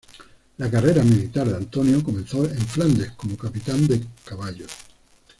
La carrera militar de Antonio comenzó en Flandes como capitán de caballos.